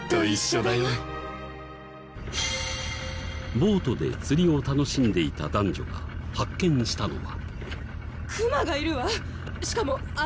ボートで釣りを楽しんでいた男女が発見したのは。